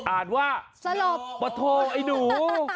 อ่านว่าสลบปะโทไอ้หนู